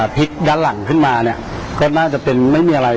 พลิกด้านหลังขึ้นมาเนี่ยก็น่าจะเป็นไม่มีอะไร